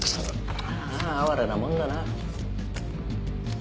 ああ哀れなもんだな。